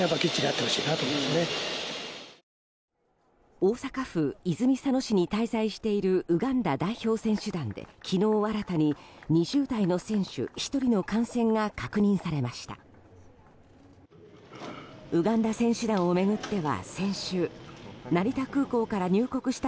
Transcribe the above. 大阪府泉佐野市に滞在しているウガンダ代表選手団で昨日新たに２０代の選手１人の感染が確認されました。